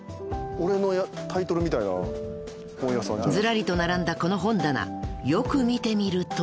［ずらりと並んだこの本棚よく見てみると］